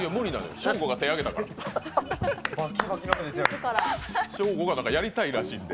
ショーゴ君が手を挙げたから、やりたいらしいって。